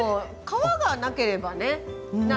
皮がなければね